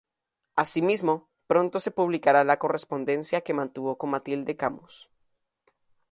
Asimismo, pronto se publicará la correspondencia que mantuvo con Matilde Camus.